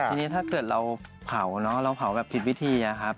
อย่างนี้ถ้าเกิดเราเผาอย่างผิดวิธี